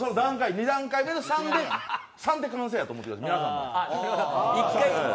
２段階目の３で完成やと思ってください。